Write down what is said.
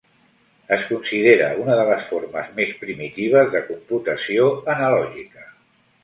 Es considera una de les formes més primitives de computació analògica.